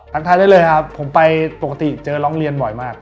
ทักทายได้เลยครับผมไปปกติเจอร้องเรียนบ่อยมาก